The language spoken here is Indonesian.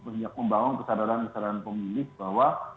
banyak membangun kesadaran kesadaran pemilih bahwa